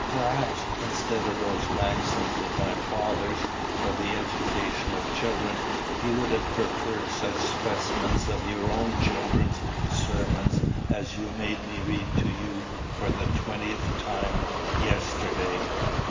Perhaps, instead of those maxims of my father's for the education of children, you would have preferred such specimens of your own children's sermons as you made me read to you for the twentieth time yesterday?"